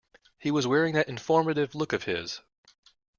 He was wearing that informative look of his.